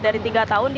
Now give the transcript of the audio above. dari tiga tahun